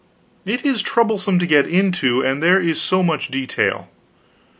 It is troublesome to get into, and there is so much detail.